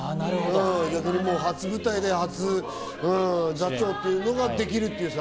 逆に初舞台で初座長っていうのができるっていうさ。